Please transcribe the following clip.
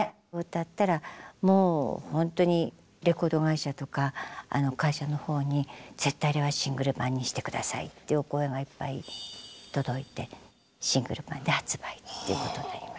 歌ったらもうほんとにレコード会社とか会社の方に「絶対あれはシングル盤にして下さい」っていうお声がいっぱい届いてシングル盤で発売っていうことになりました。